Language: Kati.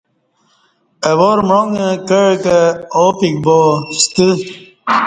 اہ وارمعانگہ کعہ کہ اوپیک باستہ